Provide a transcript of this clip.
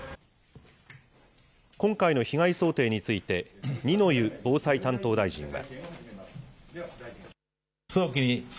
今回の被害想定について、二之湯防災担当大臣は。